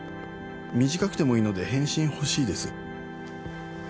短くても良いので返信欲しいです」。